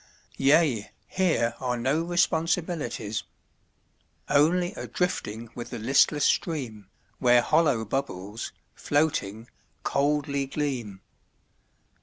Yea, here are no responsibilities. Only a drifting with the listless stream Where hollow bubbles, floating, coldly gleam.